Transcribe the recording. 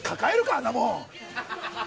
あんなもん！